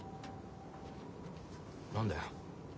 何だよ？